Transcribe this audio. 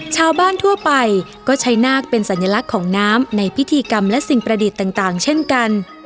ชาวบ้านทั่วไปก็ใช้นาคเป็นสัญลักษณ์ของน้ำในพิธีกรรมและสิ่งประดิษฐ์ต่างเช่นกัน